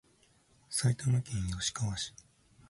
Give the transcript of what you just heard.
埼玉県吉川市